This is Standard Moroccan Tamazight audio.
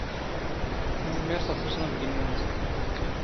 ⵜⴰⵏⵎⵎⵉⵔⵜ ⵖⴼ ⵓⵙⵏⵓⴱⴳ ⵏⵏⵓⵏⵜ